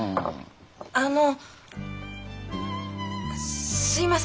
あのすいません